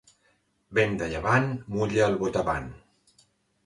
Vent de llevant mulla el botavant.